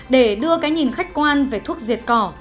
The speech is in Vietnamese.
để đưa cái nhìn khách quan về thuốc diệt cỏ